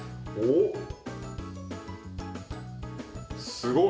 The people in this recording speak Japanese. すごい！